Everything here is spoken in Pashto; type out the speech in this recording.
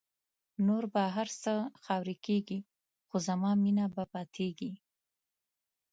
نور به هر څه خاوری کېږی خو زما مینه به پاتېږی